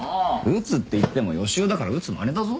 撃つっていっても予習だから撃つまねだぞ？